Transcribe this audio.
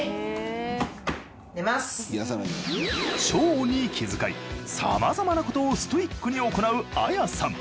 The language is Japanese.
腸に気遣いさまざまなことをストイックに行うＡＹＡさん。